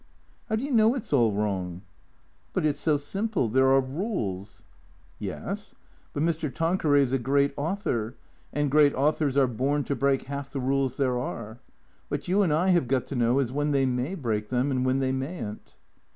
" How do you know it 's all wrong ?"" But — it 's so simple. There are rules." " Yes. But Mr. Tanqueray 's a great author, and great au thors are born to break half the rules there are. What you and I have got to know is when they may break them, and when they may n't."